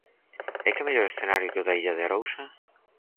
E que mellor escenario que o da Illa de Arousa?